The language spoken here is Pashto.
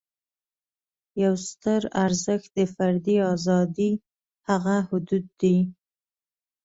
یو ستر ارزښت د فردي آزادۍ هغه حدود دي.